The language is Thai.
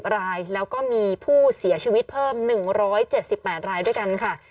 รายแล้วก็มีผู้เสียชีวิตเพิ่ม๑๗๘รายด้วยกันค่ะ